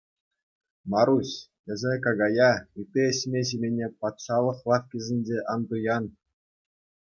Маруҫ, эсӗ какая, ытти ӗҫме-ҫимене патшалӑх лавккисенче ан туян.